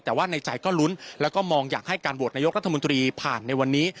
แต่ว่าในใจก็ลุ้นแล้วก็มองอยากให้การโหวตนายกรัฐมนตรีผ่านในวันนี้